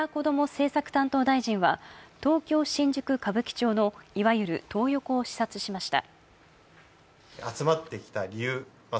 政策担当大臣は東京・新宿、歌舞伎町のいわゆるトー横を視察しました。